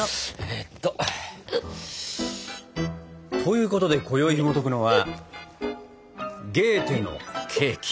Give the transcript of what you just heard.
えっと。ということでこよいひもとくのは「ゲーテのケーキ」！